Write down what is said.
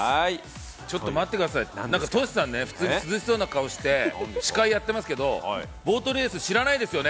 ちょっと待ってください、トシさん普通に涼しそうな顔して司会をやってますけど、ボートレース知らないですよね。